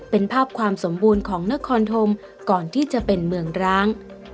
เป็นภาพความสมบูรณ์ของนครธมก่อนที่จะเป็นเมืองร้าง